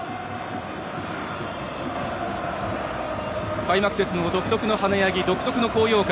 開幕節の独特の華やぎ、高揚感